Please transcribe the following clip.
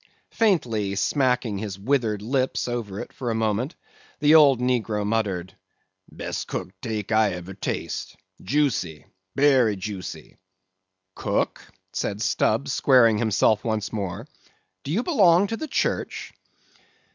Faintly smacking his withered lips over it for a moment, the old negro muttered, "Best cooked 'teak I eber taste; joosy, berry joosy." "Cook," said Stubb, squaring himself once more; "do you belong to the church?"